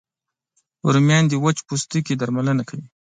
رومیان د وچ پوستکي درملنه کوي